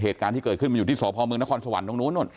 เหตุการณ์ที่เกิดขึ้นมันอยู่ที่สพมนครสวรรค์ตรงนู้นนู่น